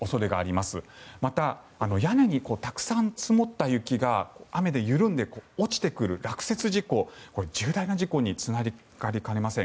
また屋根にたくさん積もった雪が雨で緩んで落ちてくる落雪事故これ、重大な事故につながりかねません。